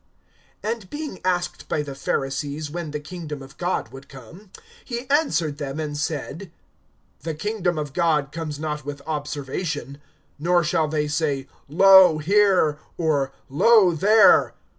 (20)And being asked by the Pharisees, when the kingdom of God would come, he answered them and said: The kingdom of God comes not with observation; (21)nor shall they say, Lo here! or, Lo there!